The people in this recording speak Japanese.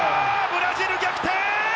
ブラジル逆転！